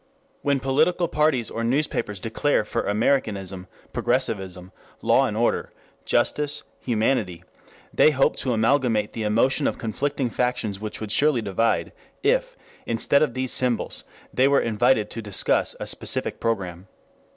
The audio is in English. When political parties or newspapers declare for Americanism, Progressivism, Law and Order, Justice, Humanity, they hope to amalgamate the emotion of conflicting factions which would surely divide, if, instead of these symbols, they were invited to discuss a specific program.